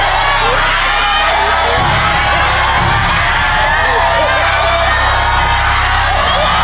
วันนี้มีโอกาสได้แล้วของพลเล็กจังหวัดพิจิตร